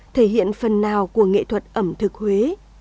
thể hiện phần nào của nghệ thuật ẩm thực huế